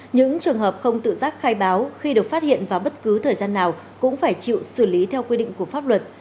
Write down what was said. những trường hợp không tự giác khai báo khi được phát hiện vào bất cứ thời gian nào cũng phải chịu xử lý theo quy định của pháp luật